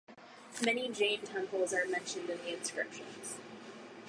Many Jain temples are mentioned in the inscriptions.